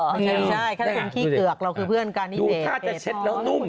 ไม่ใช่แค่คนขี้เกือกเราคือเพื่อนกันอยู่ถ้าจะเช็ดแล้วนุ่ม